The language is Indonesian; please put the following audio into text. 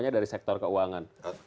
dari sektor keuangan